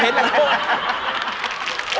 เห็นล่ะ